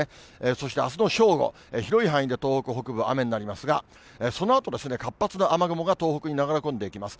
そして、あすの正午、広い範囲で東北北部、雨になりますが、そのあと、活発な雨雲が東北に流れ込んでいきます。